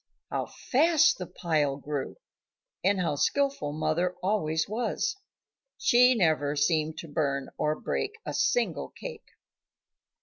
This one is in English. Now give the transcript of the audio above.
How fast the pile grew! and how skilful mother always was. She never seemed to burn or break a single cake.